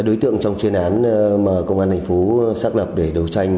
ba đối tượng trong chuyên án mà công an thành phố xác lập để đấu tranh